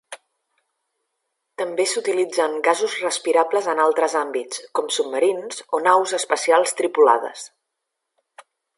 També s'utilitzen gasos respirables en altres àmbits com submarins o naus espacials tripulades.